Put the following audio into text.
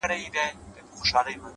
دا هوښیاري نه غواړم عقل ناباب راکه